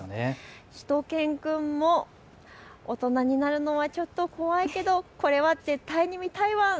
しゅと犬くんも、大人になるのはちょっと怖いけどこれは絶対に見たいワン。